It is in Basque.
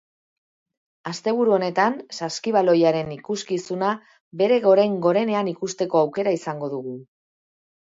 Asteburu honetan saskibaloiaren ikuskizuna bere goren-gorenean ikusteko aukera izango dugu.